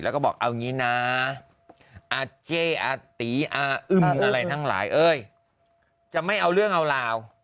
แล้วก็บอกเอางี้นะอาเจอาตีอาอึ้มอะไรทั้งหลายเอ้ยจะไม่เอาเรื่องเอาราว